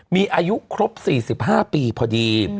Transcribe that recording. มีอายุครบ๔๕ปีพอดี